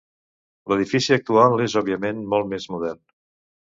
L'edifici actual és òbviament molt més modern.